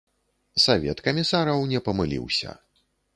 Савет камісараў не памыліўся.